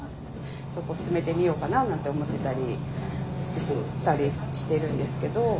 そこ勧めてみようかななんて思ってたりしたりしてるんですけど。